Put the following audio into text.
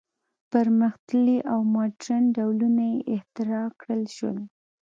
پرمختللي او ماډرن ډولونه یې اختراع کړل شول.